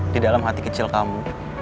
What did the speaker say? di dalam hati kecil kamu